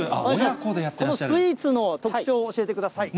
このスイーツの特徴を教えてくだ